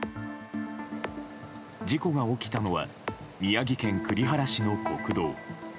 事故が起きたのは宮城県栗原市の国道。